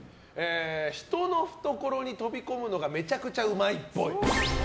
人の懐に飛び込むのがめちゃくちゃうまいっぽい。